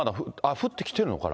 降ってきているのかな？